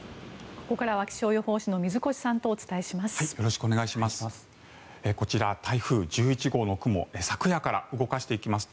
ここからは気象予報士の水越さんとよろしくお願いします。